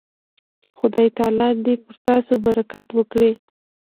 خدای تعالی دې پر تاسو برکت وکړي.